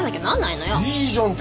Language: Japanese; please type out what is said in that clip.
いいじゃん。